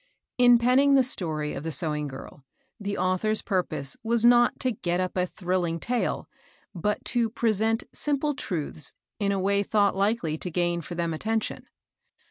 In penning the story of "The Sewing girl," the author's purpose was not to get up a thrilling tale, but to present simple truths in a way thought likely to gain for them attention.